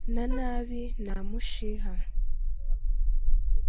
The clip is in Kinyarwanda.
nta nabi nta mushiha